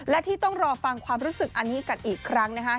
และที่ต้องรอฟังความรู้สึกอันนี้กันอีกครั้ง